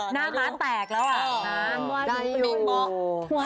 หน้าม้าแตกแล้วอ่ะ